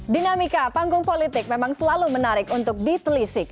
dinamika panggung politik memang selalu menarik untuk ditelisik